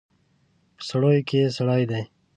په سړیو کې سړي دي